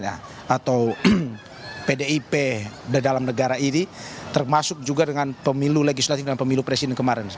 atau pdip dalam negara ini termasuk juga dengan pemilu legislatif dan pemilu presiden kemarin